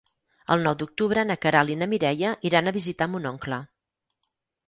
El nou d'octubre na Queralt i na Mireia iran a visitar mon oncle.